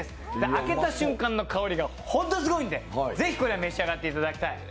開けた瞬間の香りがすごいんで、ぜひこれは召し上がっていただきたい。